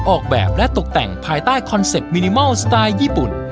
ออกแบบและตกแต่งภายใต้คอนเซ็ปต์มินิมอลสไตล์ญี่ปุ่น